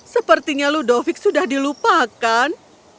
sepertinya ludovic sudah dilupakan